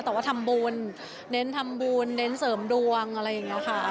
แต่ว่าทำบุญเน้นทำบุญเน้นเสริมดวงอะไรอย่างนี้ค่ะ